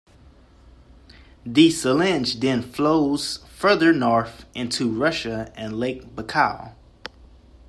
The Selenge then flows further north into Russia and Lake Baikal.